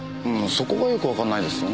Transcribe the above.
そこがよくわかんないですよね。